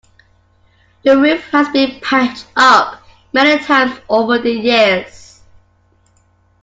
The roof has been patched up many times over the years.